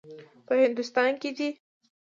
په هندوستان کې دی.